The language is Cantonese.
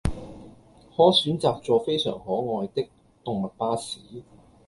可選擇坐非常可愛的動物巴士